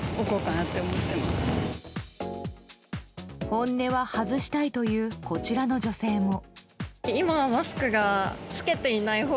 本音は外したいというこちらの女性も。